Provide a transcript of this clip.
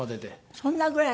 そんなぐらい？